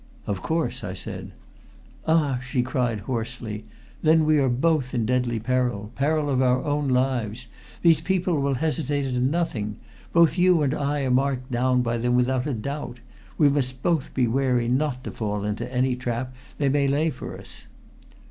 "Of course," I said. "Ah!" she cried hoarsely. "Then we are both in deadly peril peril of our own lives! These people will hesitate at nothing. Both you and I are marked down by them, without a doubt. We must both be wary not to fall into any trap they may lay for us."